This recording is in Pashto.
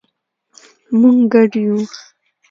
مونږ ګډ یو